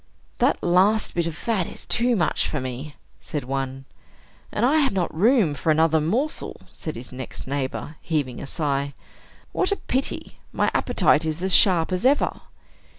"That last bit of fat is too much for me," said one. "And I have not room for another morsel," said his next neighbor, heaving a sigh. "What a pity! My appetite is as sharp as ever."